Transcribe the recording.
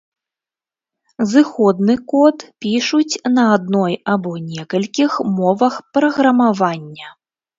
Зыходны код пішуць на адной або некалькіх мовах праграмавання.